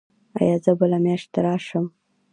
ایا زه بله میاشت راشم؟